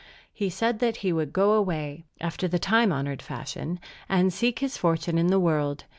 He said that he would go away, after the time honored fashion, and seek his fortune in the world.